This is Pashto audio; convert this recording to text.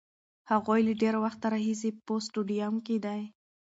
هغوی له ډېر وخته راهیسې په سټډیوم کې دي.